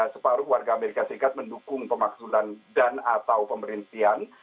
separuh warga amerika serikat mendukung pemaksulan dan atau pemerintahan